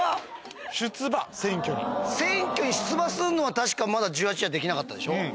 選挙に出馬するのは確かまだ１８じゃできなかったでしょ？